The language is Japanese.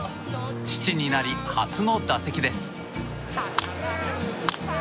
父になり、初の打席です。